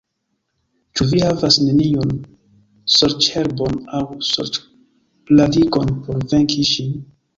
Ĉu vi havas neniun sorĉherbon aŭ sorĉradikon por venki ŝin?